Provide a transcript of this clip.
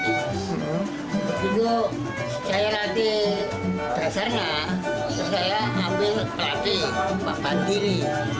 jika saya latih berasalnya saya ambil latih bapak diri